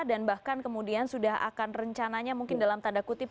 dan bahkan kemudian sudah akan rencananya mungkin dalam tanda kutip